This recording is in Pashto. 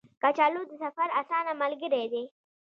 کچالو د سفر اسانه ملګری دی